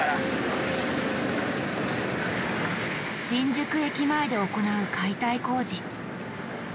新宿駅前で行う解体工事。